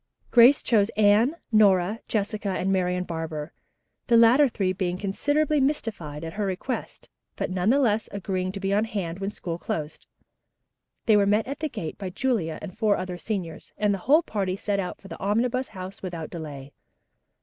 Grace chose Anne, Nora, Jessica and Marian Barber, the latter three being considerably mystified at her request, but nevertheless agreeing to be on hand when school closed. They were met at the gate by Julia and four other seniors, and the whole party set out for the Omnibus House without delay.